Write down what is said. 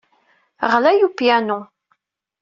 Ɣlay apyanu.